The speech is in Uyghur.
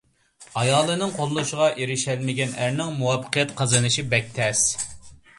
ئايالىنىڭ قوللىشىغا ئېرىشەلمىگەن ئەرنىڭ مۇۋەپپەقىيەت قازىنىشى بەك تەس.